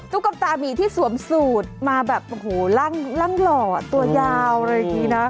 ทุกก้มตาหมีที่สวมสูดมาแบบโย้โหรั่งรอก็ตัวยาวอะไรอย่างงี้เนาะ